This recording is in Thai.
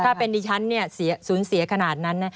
ถ้าเป็นดิฉันสูญเสียขนาดนั้นนะ